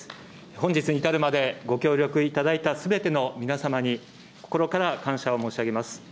本日に至るまで、ご協力いただいたすべての皆様に、心から感謝を申し上げます。